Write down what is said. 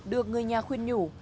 được người nhà khuyên nhủ